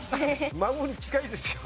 孫に近いんですよ。